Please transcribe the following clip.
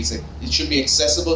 ini harus terdapat kemampuan